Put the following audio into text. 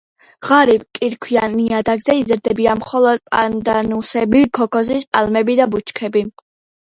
ღარიბ კირქვიან ნიადაგზე იზრდებიან მხოლოდ პანდანუსები, ქოქოსის პალმები და ბუჩქები.